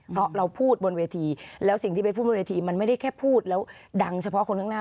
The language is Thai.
เพราะเราพูดบนเวทีแล้วสิ่งที่ไปพูดบนเวทีมันไม่ได้แค่พูดแล้วดังเฉพาะคนข้างหน้า